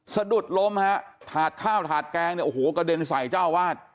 สะดุดล้มฮะถาดข้าวถาดแกงกระเด็นใส่เจ้าวาส